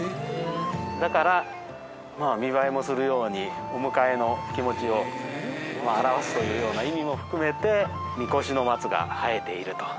だから見栄えもするようにお迎えの気持ちを表すというような意味も含めて見越しの松が生えていると。